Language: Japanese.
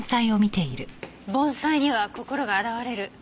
盆栽には心が表れる。